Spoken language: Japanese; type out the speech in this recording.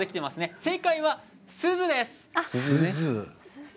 正解はすずです。